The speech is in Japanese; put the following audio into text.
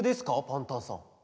パンタンさん。